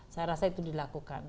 saya rasa itu dilakukan